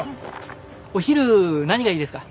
お昼何がいいですか？